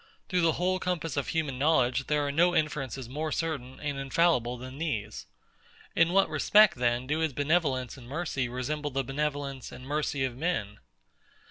Through the whole compass of human knowledge, there are no inferences more certain and infallible than these. In what respect, then, do his benevolence and mercy resemble the benevolence and mercy of men?